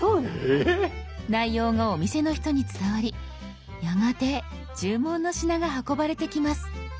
内容がお店の人に伝わりやがて注文の品が運ばれてきます。